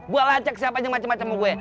gua lacak siapa aja macem macem mau gue